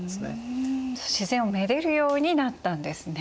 自然を愛でるようになったんですね。